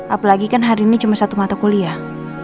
apalagi kan hari ini cuma satu mata kuliah